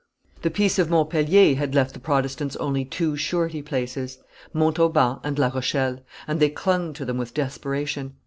The peace of Montpellier had left the Protestants only two surety places, Montauban and La Rochelle; and they clung to them with desperation.